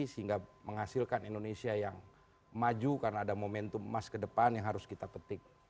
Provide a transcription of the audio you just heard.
sehingga menghasilkan indonesia yang maju karena ada momentum emas ke depan yang harus kita petik